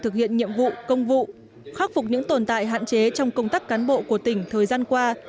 thực hiện nhiệm vụ công vụ khắc phục những tồn tại hạn chế trong công tác cán bộ của tỉnh thời gian qua